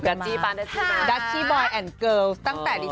ฉันปวดนะพูดว่าสวยเหมือนเดิม